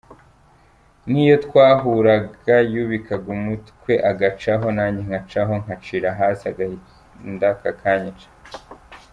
N’iyo twahuraga yubikaga umutwe agacaho nanjye nkacaho nkacira hasi agahinda kakanyica.